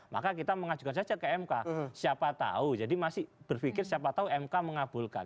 maka kita mengajukan saja ke mk siapa tahu jadi masih berpikir siapa tahu mk mengabulkan